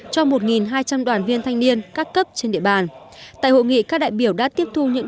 cho một hai trăm linh đoàn viên thanh niên các cấp trên địa bàn tại hội nghị các đại biểu đã tiếp thu những